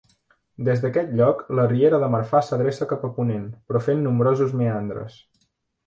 Des d'aquest lloc, la Riera de Marfà s'adreça cap a ponent, però fent nombrosos meandres.